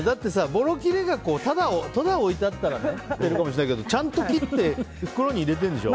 ぼろきれがただ置いてあったらあれだけどちゃんと切って袋に入れてるんでしょ？